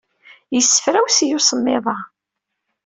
Yessefrawes-iyi usemmiḍ-a.